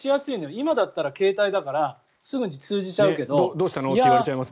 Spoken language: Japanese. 今だったら携帯だからすぐに通じちゃうけど。